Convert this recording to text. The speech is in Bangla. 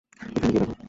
ওখানে গিয়ে দেখো।